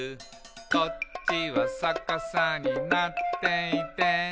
「こっちはさかさになっていて」